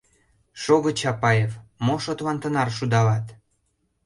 — Шого, Чапаев, мо шотлан тынар шудалат?